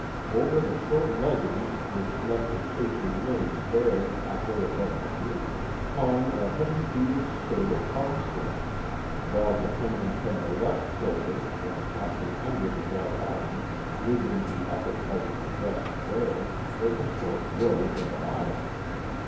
Over the short leggings which left his shapely limbs bare half way above the knee, hung a heavy beaded skirt of buckskin, while depending from the left shoulder, and passing under the right arm, leaving the upper part of the breast bare, was a short robe of otter.